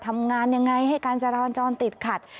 ทำงานยังไงให้การจราจรติดขัด